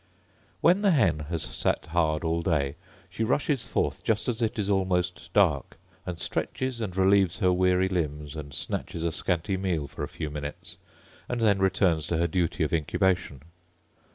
When the hen has sat hard all day, she rushes forth just as it is almost dark, and stretches and relieves her weary limbs, and snatches a scanty meal for a few minutes, and then returns to her duty of incubation.